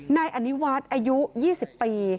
นายอันนิวาสอายุ๒๐ปี